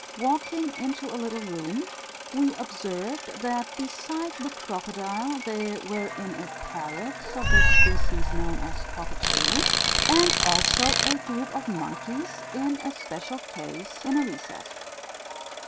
Walking into a little room, we observed that besides the crocodile there were in it parrots of the species known as cockatoo, and also a group of monkeys in a special case in a recess.